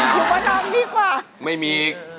อยู่ประดอมดีกว่า